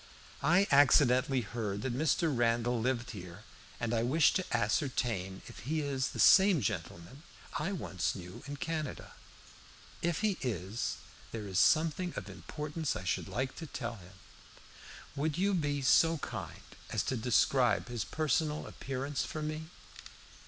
I accidentally heard that Mr. Randall lived here, and I wish to ascertain if he is the same gentleman I once knew in Canada. If he is, there is something of importance I should like to tell him. Would you be so kind as to describe his personal appearance for me?"